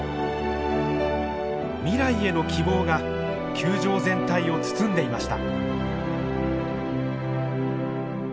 未来への希望が球場全体を包んでいました。